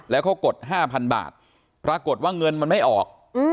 แล้วเขากด๕๐๐๐บาทปรากฏว่าเงินมันไม่ออก